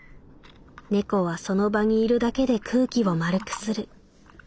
「猫はその場にいるだけで空気を丸くする。